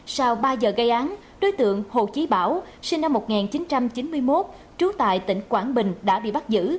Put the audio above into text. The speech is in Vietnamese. sau ba giờ gây án đối tượng hồ chí bảo sinh năm một nghìn chín trăm chín mươi một trú tại tỉnh quảng bình đã bị bắt giữ